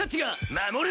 守る！